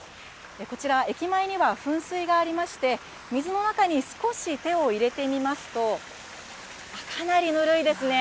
こちら、駅前には噴水がありまして、水の中に少し手を入れてみますと、かなりぬるいですね。